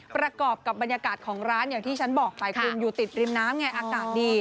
ประกอบกับบรรยากาศของร้านอย่างที่ฉันบอกไปคุณอยู่ติดริมน้ำไงอากาศดี